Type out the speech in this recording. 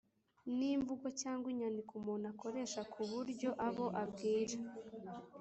N’imvugo cyangwa inyandiko umuntu akoresha kuburyo abo abwira